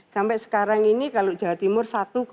sampai sekarang ini kalau jawa timur satu sebelas